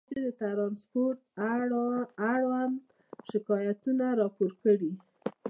ازادي راډیو د ترانسپورټ اړوند شکایتونه راپور کړي.